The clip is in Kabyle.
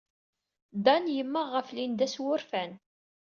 Dan yemmeɣ ɣef Linda s wurfan.